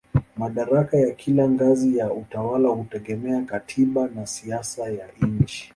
Madaraka ya kila ngazi ya utawala hutegemea katiba na siasa ya nchi.